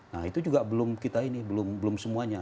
nah itu juga belum kita ini belum semuanya